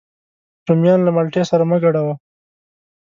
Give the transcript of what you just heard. رومیان له مالټې سره مه ګډوه